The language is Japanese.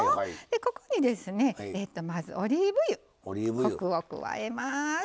ここにまずオリーブ油コクを加えます。